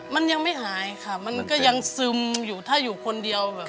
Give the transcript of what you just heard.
มันยังไม่หายค่ะมันก็ยังซึมอยู่ถ้าอยู่คนเดียวแบบ